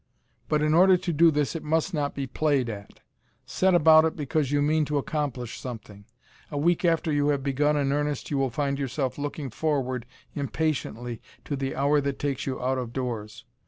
But in order to do this it must not be "played at." Set about it because you mean to accomplish something. A week after you have begun in earnest you will find yourself looking forward impatiently to the hour that takes you out of doors.